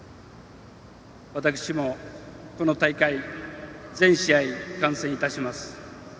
私も、この大会全試合観戦いたします。